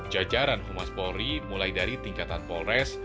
jajaran humas polri mulai dari tingkatan polres